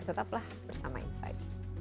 tetaplah bersama kami